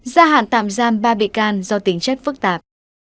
gia hạn tạm giam ba bị can do tính chất phức tạp